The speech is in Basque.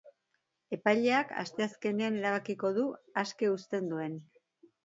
Epaileak asteazkenean erabakiko du aske uzten duen.